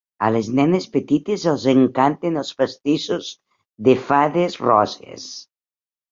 A les nenes petites els encanten els pastissos de fades roses.